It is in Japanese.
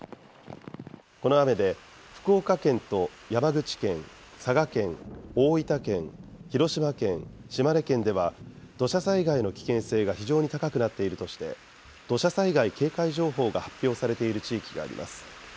この雨で福岡県と山口県、佐賀県、大分県、広島県、島根県では土砂災害の危険性が非常に高くなっているとして、土砂災害警戒情報が発表されている地域があります。